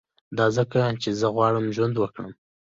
دا ځکه چي زه غواړم ژوند وکړم